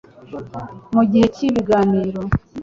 Mu gihe k ibiganiro